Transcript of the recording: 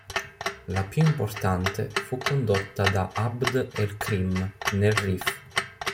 La più importante fu condotta da Abd el-Krim nel Rif.